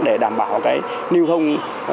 để đảm bảo nưu thông